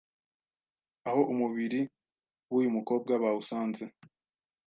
aho umubiri w’uyu mukobwa bawusanze